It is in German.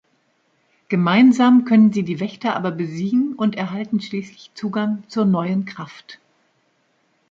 Gemeinsam können sie die Wächter aber besiegen und erhalten schließlich Zugang zur neuen Kraft.